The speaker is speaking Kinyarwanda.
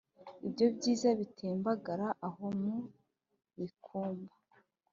Ibyo byiza bitembagara aho mu bikumba